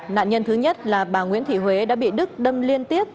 nạn nhân thứ nhất là bà nguyễn thị huế đã bị đức đâm liên tiếp